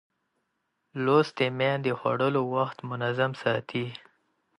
لوستې میندې د خوړو وخت منظم ساتي.